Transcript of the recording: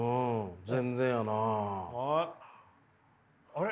あれ？